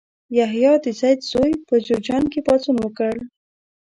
یحیی د زید زوی په جوزجان کې پاڅون وکړ.